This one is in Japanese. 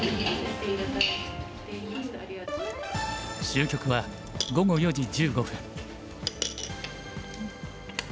終局は午後４時１５分。